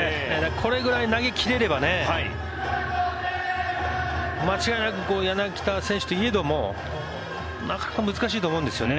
これぐらい投げ切れれば間違いなく柳田選手といえどもなかなか難しいと思うんですよね。